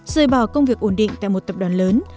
rời bỏ công việc ổn định tại một tập đoàn lớn